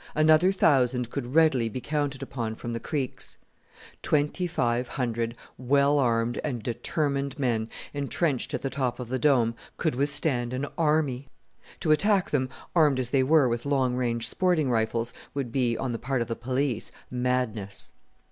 Another thousand could readily be counted upon from the creeks. Twenty five hundred well armed and determined men, entrenched at the top of the Dome, could withstand an army. To attack them, armed as they were with long range sporting rifles, would be, on the part of the police, madness.